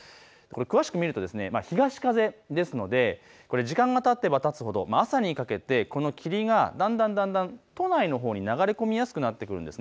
詳しく見ると東風ですので時間がたてばたつほど朝にかけてこの霧が都内のほうに流れ込みやすくなっています。